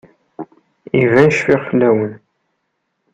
Iban cfiɣ fell-awen.